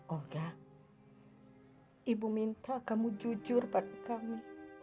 olga ibu minta kamu jujur bagi kami